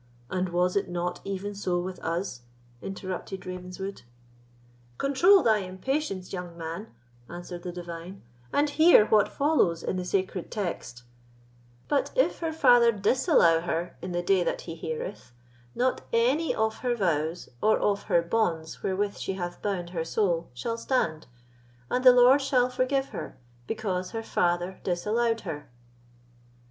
"And was it not even so with us?" interrrupted Ravenswood. "Control thy impatience, young man," answered the divine, "and hear what follows in the sacred text: 'But if her father disallow her in the day that he heareth, not any of her vows, or of her bonds wherewith she hath bound her soul, shall stand; and the Lord shall forgive her, because her father disallowed her."